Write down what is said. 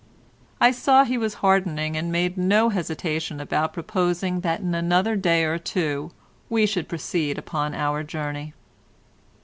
I saw he was hardening and made no hesitation about proposing that in another day or two we should proceed upon our journey.